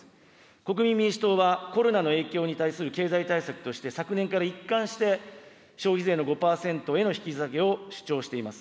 国民民主党はコロナの影響に対する経済対策として、昨年から一貫して、消費税の５％への引き下げを主張しています。